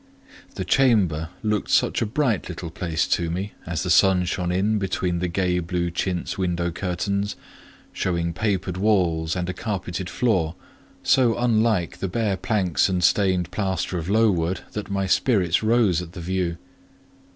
The chamber looked such a bright little place to me as the sun shone in between the gay blue chintz window curtains, showing papered walls and a carpeted floor, so unlike the bare planks and stained plaster of Lowood, that my spirits rose at the view.